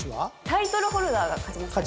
タイトルホルダーが勝ちましたよね。